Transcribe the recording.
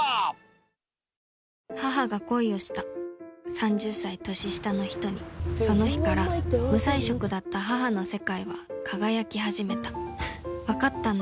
３０歳年下の人にその日から無彩色だった母の世界は輝き始めた分かったんだ。